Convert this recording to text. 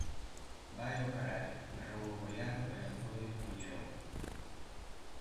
«Vai ó carallo», berrou o boiardo e lanzoulle un cullerón.